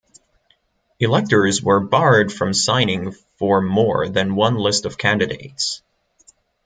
Electors were barred from signing for more than one list of candidates.